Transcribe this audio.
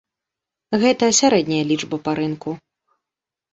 Гэта сярэдняя лічба па рынку.